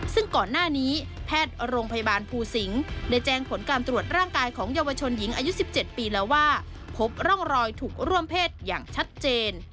ซึ่งก่อนหน้านี้แพทย์โรงพยาบาลภูสิงศ์ได้แจ้งผลการตรวจร่างกายของเยาวชนหญิงอายุ๑๗ปีแล้วว่าพบร่องรอยถูกร่วมเพศอย่างชัดเจน